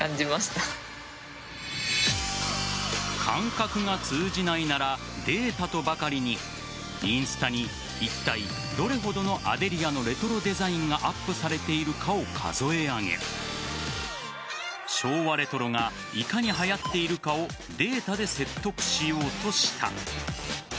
感覚が通じないならデータとばかりにインスタにいったいどれほどのアデリアのレトロデザインがアップされているかを数え上げ昭和レトロがいかにはやっているかをデータで説得しようとした。